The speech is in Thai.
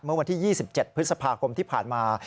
เมื่อวันที่๒๗พฤษภาคมที่ผ่านมา